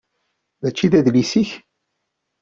Mačči d adlis-ik?